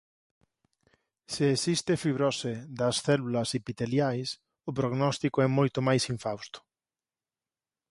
Se existe fibrose das células epiteliais o prognóstico é moito máis infausto.